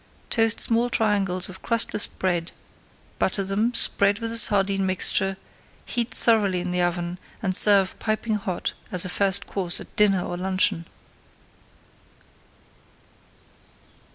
Toast small triangles of crustless bread, butter them, spread with the sardine mixture, heat thoroughly in the oven, and serve piping hot as a first course at dinner or luncheon.